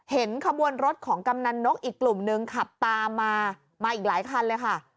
เห็นขบวนรถของกำนันนกอีกกลุ่มนึงขับตามมามาอีกหลายคันเลยค่ะ